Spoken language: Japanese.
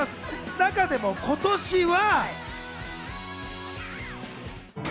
中でも今年は。